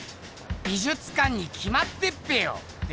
美術館にきまってっぺよ！